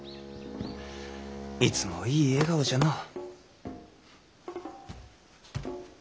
いつもいい笑顔じゃのう。